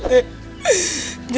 aduh enak aja